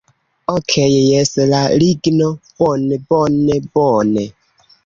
Okej jes la ligno... bone, bone, bone